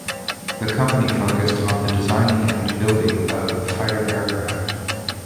The company focused on the designing and building of fighter aircraft.